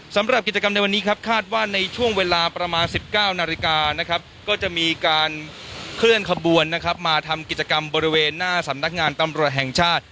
สำหรับกิจกรรมในวันนี้ครับคาดว่าในช่วงเวลาประมาณ๑๙นาฬิกานะครับก็จะมีการเคลื่อนขบวนนะครับมาทำกิจกรรมบริเวณหน้าสำนักงานตำรวจแห่งชาติ